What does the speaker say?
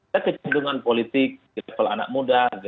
dan kecenderungan politik peril anak muda